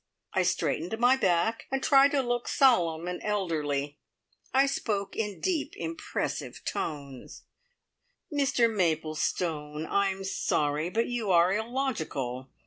I straightened my back, and tried to look solemn and elderly. I spoke in deep, impressive tones: "Mr Maplestone, I'm sorry, but you are illogical.